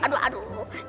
aduh aduh aduh